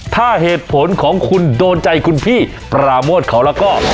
ถ้าเหตุผลของคุณโดนใจคุณพี่ปราโมทเขาแล้วก็